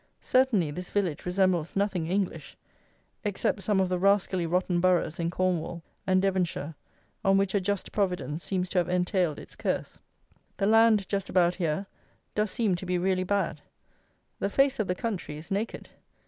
Certainly this village resembles nothing English, except some of the rascally rotten boroughs in Cornwall and Devonshire, on which a just Providence seems to have entailed its curse. The land just about here does seem to be really bad. The face of the country is naked.